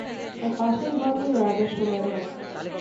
তার পাশের ঘরটি হলো রাজার শোবার ঘর।